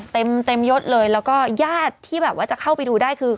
เต็มเต็มยดเลยแล้วก็ญาติที่แบบว่าจะเข้าไปดูได้คือ